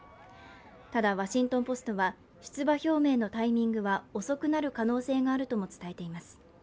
ただ、「ワシントン・ポスト」は出馬表明のタイミングは遅くなる可能性があるとも伝えています。